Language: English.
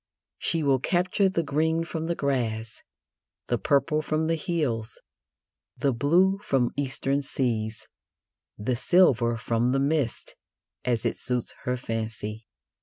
She will capture the green from the grass, the purple from the hills, the blue from Eastern seas, the silver from the mists, as it suits her fancy.